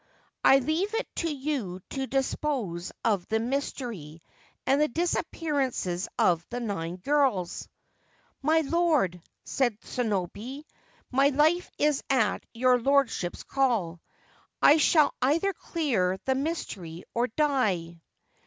I leave it to you to dispose of the mystery of the disappearances of the nine girls.' c My lord,' said Sonobe, ' my life is at your lordship's call. I shall either clear the mystery or die.'